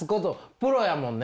プロやもんね。